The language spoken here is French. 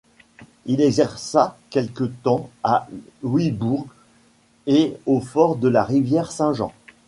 Il exerça quelque temps à Louisbourg et au fort de la rivière Saint-Jean.